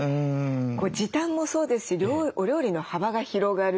時短もそうですしお料理の幅が広がる。